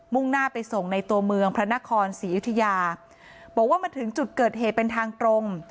่งหน้าไปส่งในตัวเมืองพระนครศรีอยุธยาบอกว่ามาถึงจุดเกิดเหตุเป็นทางตรง